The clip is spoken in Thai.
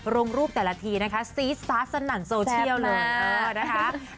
ลงรูปแต่ละทีนะคะศีรษะสนั่นโซเชียลเลย